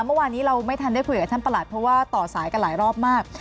เมื่อวานนี้เราไม่ทันได้คุยกับท่านประหลัดเพราะว่าต่อสายกันหลายรอบมาก